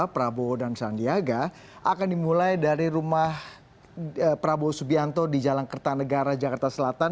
prabowo dan sandiaga akan dimulai dari rumah prabowo subianto di jalan kertanegara jakarta selatan